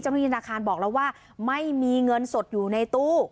เจ้าหน้าทีนาคารบอกแล้วว่าไม่มีเงินสดอยู่ในตู้